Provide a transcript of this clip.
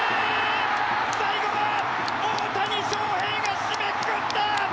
最後は大谷翔平が締めくくった！